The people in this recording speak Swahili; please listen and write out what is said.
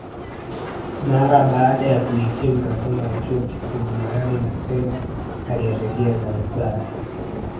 Mara baada ya kuhitimu masomo ya chuo kikuu Maalim Self alirejea Zanzibari